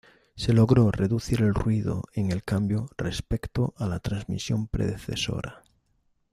Se logró reducir el ruido en el cambio respecto a la transmisión predecesora.